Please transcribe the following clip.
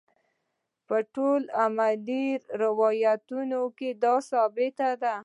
په ټولو علمي روایتونو کې دا ثابته ده.